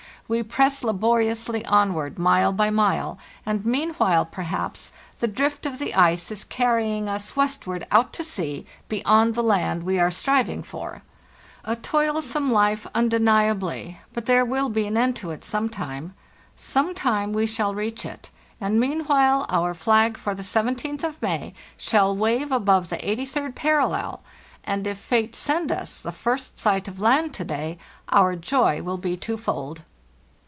We press laboriously onward mile by mile; and meanwhile, perhaps, the drift of the ice is carrying us westward out to sea, beyond the land we are striving for. A toilsome life, undeniably, but there will be an end to it some time; some time we shall reach it, 212 HARTHEST NORTH and meanwhile our flag for the 'Seventeenth of May' shall wave above the eighty third parallel, and if fate send us the first sight of land to day our joy will be two fold.